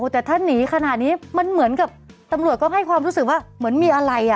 แต่ถ้าหนีขนาดนี้มันเหมือนกับตำรวจก็ให้ความรู้สึกว่าเหมือนมีอะไร